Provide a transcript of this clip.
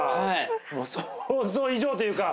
もう想像以上というか。